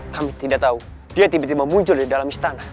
kami tidak tahu dia tiba tiba muncul di dalam istana